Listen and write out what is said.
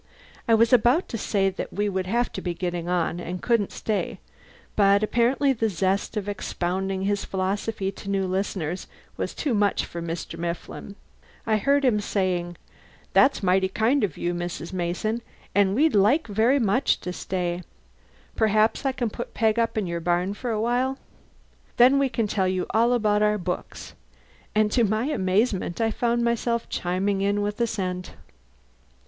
I was about to say that we would have to be getting on, and couldn't stay; but apparently the zest of expounding his philosophy to new listeners was too much for Mifflin. I heard him saying: "That's mighty kind of you, Mrs. Mason, and we'd like very much to stay. Perhaps I can put Peg up in your barn for a while. Then we can tell you all about our books." And to my amazement I found myself chiming in with assent.